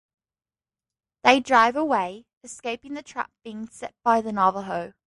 They drive away, escaping the trap being set by the Navajo.